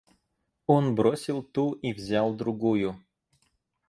Он бросил ту и взял другую.